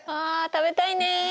あ食べたいね。